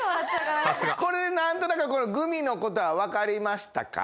これでなんとなくグミのことはわかりましたか？